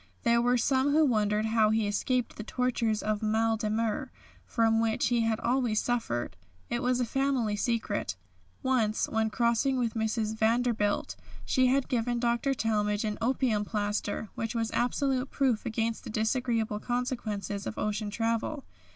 There were some who wondered how he escaped the tortures of mal de mer, from which he had always suffered. It was a family secret. Once, when crossing with Mrs. Vanderbilt, she had given Dr. Talmage an opium plaster, which was absolute proof against the disagreeable consequences of ocean travel.